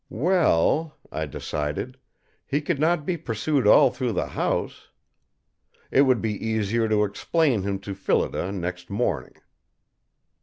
Well, I decided, he could not be pursued all through the house. It would be easier to explain him to Phillida next morning.